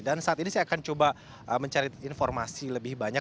dan saat ini saya akan coba mencari informasi lebih banyak